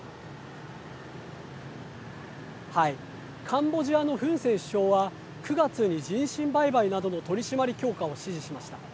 カンボジアのフン・セン首相は９月に人身売買などの取締り強化を指示しました。